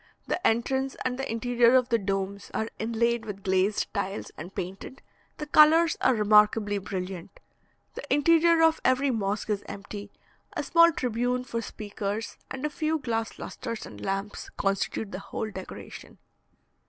The entrance and the interior of the domes are inlaid with glazed tiles and painted, the colours are remarkably brilliant. The interior of every mosque is empty; a small tribune for speakers, and a few glass lustres and lamps, constitute the whole decoration.